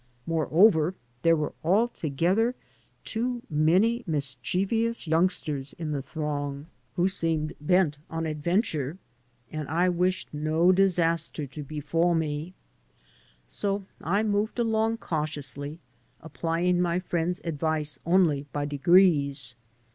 Moreover, there were altogether too many mischievous youngsters in the throng who seemed bent 98 VENTURES AND ADVENTURES on adventure, and I wished no disaster to befall me. So I moved along cautiously, applying my friend's advice only by degrees.